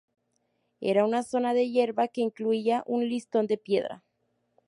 Era una zona de hierba que incluía un "liston" de piedra.